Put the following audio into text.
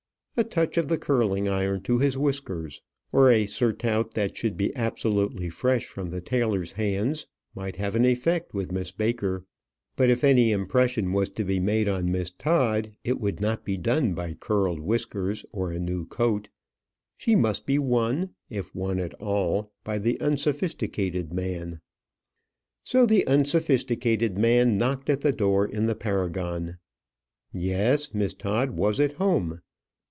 A touch of the curling iron to his whiskers, or a surtout that should be absolutely fresh from the tailor's hands, might have an effect with Miss Baker; but if any impression was to be made on Miss Todd, it would not be done by curled whiskers or a new coat. She must be won, if won at all, by the unsophisticated man. So the unsophisticated man knocked at the door in the Paragon. Yes; Miss Todd was at home.